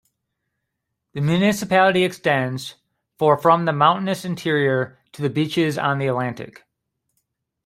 The municipality extends for from the mountainous interior to the beaches on the Atlantic.